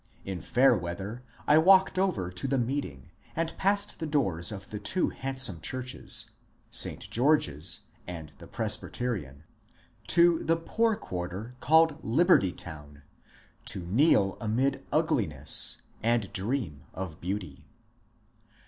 In fair weather I walked over to ^^ meeting," and passed the doors of the two handsome churches — St. George's and the Presbyterian — to the poor quarter called Liberty Town, to kneel amid ugli ness and dream of beauty.